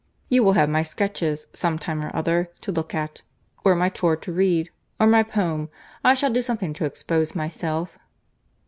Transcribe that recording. You will have my sketches, some time or other, to look at—or my tour to read—or my poem. I shall do something to expose myself."